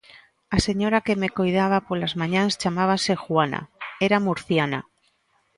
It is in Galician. A señora que me coidaba polas mañás chamábase Juana; era murciana.